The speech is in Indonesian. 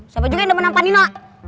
siapa juga yang depenan panino